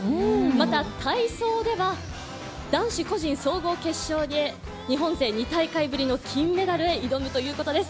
また、体操では、男子個人総合決勝に日本勢２大会ぶりの金メダルへ挑むということです。